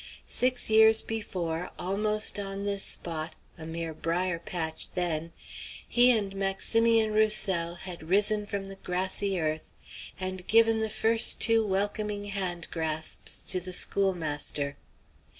Six years before, almost on this spot, a mere brier patch then, he and Maximian Roussel had risen from the grassy earth and given the first two welcoming hand grasps to the schoolmaster.